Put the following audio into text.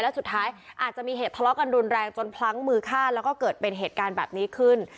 และสุดท้ายอาจจะมีเหตุทะเลาะกันรุนแรงจนพลั้งมือฆ่าแล้วก็เกิดเป็นเหตุการณ์แบบนี้ขึ้น